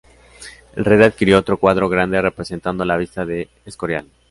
El rey adquirió otro cuadro grande representando la "Vista del Escorial".